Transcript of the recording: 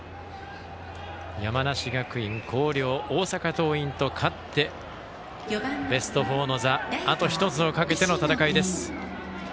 山梨学院、広陵大阪桐蔭と勝ってベスト４の座あと１つをかけての戦いです。